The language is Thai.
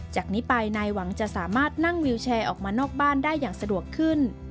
จากนี้ไปนายหวังจะสามารถนั่งวิวแชร์ออกมานอกบ้านได้อย่างสะดวกขึ้น